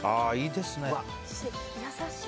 優しい。